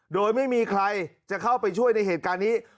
โดยไม่มีใครจะเข้าไปช่วยในเหตุการณ์นี้